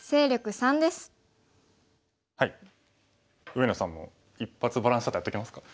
上野さんも一発バランスチャートやっときますか。